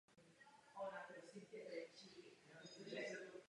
Ve smíšené čtyřhře pak jedno vítězství a jednu finálovou účast.